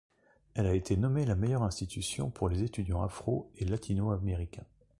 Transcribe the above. Elle a été nommée la meilleure institution pour les étudiants afro et latino-américains.